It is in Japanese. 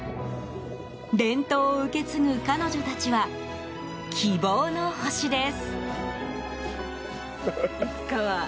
伝統を受け継ぐ彼女たちは希望の星です。